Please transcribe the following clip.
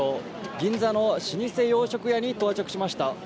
銀座の老舗洋食屋に到着しました。